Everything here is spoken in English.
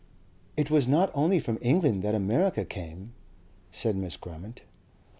"It was not only from England that America came," said Miss Grammont.